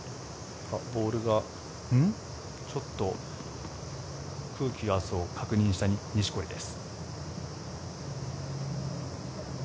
ボールがちょっと空気圧を確認した錦織です。